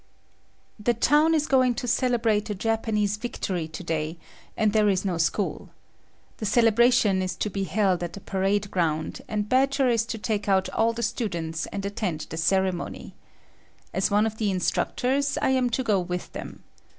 The town is going to celebrate a Japanese victory to day, and there is no school. The celebration is to be held at the parade ground, and Badger is to take out all the students and attend the ceremony. As one of the instructors, I am to go with them.